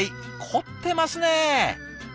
凝ってますね。